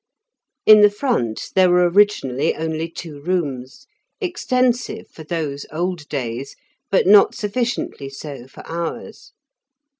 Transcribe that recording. In the front there were originally only two rooms, extensive for those old days, but not sufficiently so for ours.